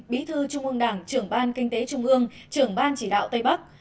bí thư trung ương đảng trưởng ban kinh tế trung ương trưởng ban chỉ đạo tây bắc